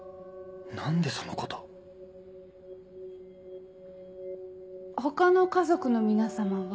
何でそのこと他の家族の皆様は？